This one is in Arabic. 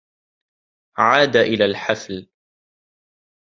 عاد إلى الحفل.